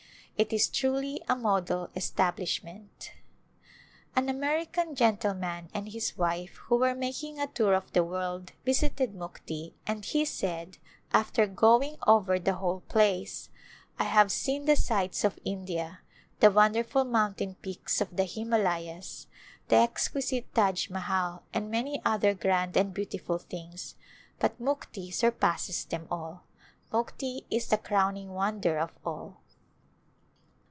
It is truly a model establishment. An American gentleman and his wife who were making a tour of the world visited Mukti, and he said, Return to India after going over the whole place, " I have seen the ' sights ' of India, the wonderful mountain peaks of the Himalayas, the exquisite Taj Mahal, and many other grand and beautiful things, but Mukti surpasses them all. Mukti is the crowning wonder of all."